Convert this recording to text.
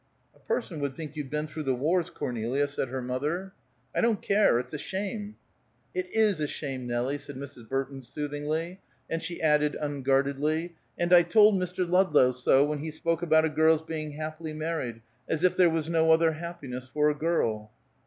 "A person would think you'd been through the wars, Cornelia," said her mother. "I don't care! It's a shame!" "It is a shame, Nelie," said Mrs. Burton, soothingly; and she added, unguardedly, "and I told Mr. Ludlow so, when he spoke about a girl's being happily married, as if there was no other happiness for a girl."